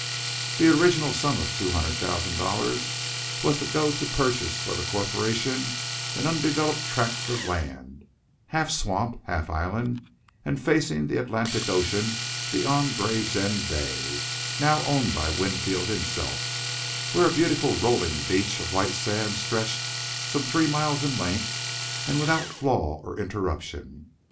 The original sum of two hundred thousands dollars was to go to purchase for the corporation an undeveloped tract of land, half swamp, half island, and facing the Atlantic Ocean beyond Gravesend Bay, now owned by Winfield himself, where a beautiful rolling beach of white sand stretched some three miles in length and without flaw or interruption.